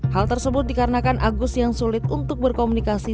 hal tersebut dikarenakan agus yang sulit untuk berkomunikasi